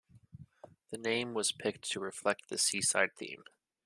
The name was picked to reflect the seaside theme.